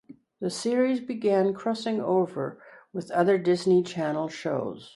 The series began crossing over with other Disney Channel shows.